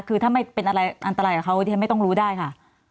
อยู่แม้ทำไมเป็นอะไรอันตรายกับเขาจะไม่ต้องรู้ได้ค่ะ